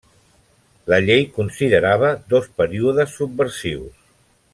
La llei considerava dos períodes subversius.